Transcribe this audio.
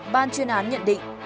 ban chuyên án nhận định